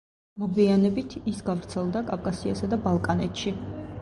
მოგვიანებით, ის გავრცელდა კავკასიასა და ბალკანეთში.